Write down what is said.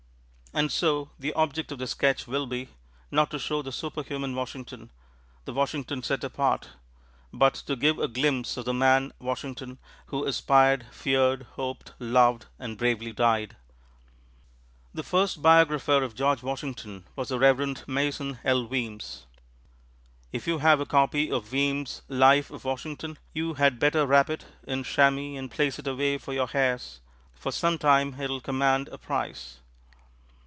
And so the object of this sketch will be, not to show the superhuman Washington, the Washington set apart, but to give a glimpse of the man Washington who aspired, feared, hoped, loved and bravely died. The first biographer of George Washington was the Reverend Mason L. Weems. If you have a copy of Weems' "Life of Washington," you had better wrap it in chamois and place it away for your heirs, for some time it will command a price.